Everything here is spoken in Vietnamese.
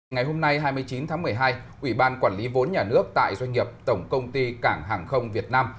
ngày hôm nay hai mươi chín tháng một mươi hai ủy ban quản lý vốn nhà nước tại doanh nghiệp tổng công ty cảng hàng không việt nam